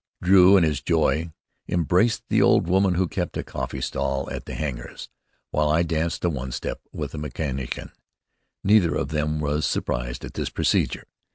Drew, in his joy, embraced the old woman who kept a coffee stall at the hangars, while I danced a one step with a mechanician. Neither of them was surprised at this procedure.